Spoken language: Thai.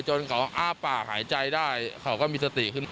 จนเขาอ้าปากหายใจได้เขาก็มีสติขึ้น